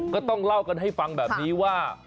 ก็ต้องเล่ากันให้ฟังแบบนี้ว่า